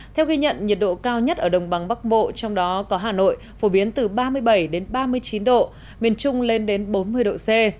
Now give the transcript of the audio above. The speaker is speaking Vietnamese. theo ghi nhận nhiệt độ cao nhất ở đồng bằng bắc bộ trong đó có hà nội phổ biến từ ba mươi bảy đến ba mươi chín độ miền trung lên đến bốn mươi độ c